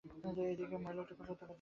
এদিক থেকে মহিলাটা খুবই সত্যবাদী, লিংকন।